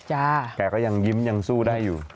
แกก็ยังยิ้มยังสู้ได้อยู่